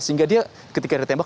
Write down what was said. sehingga dia ketika dia tembak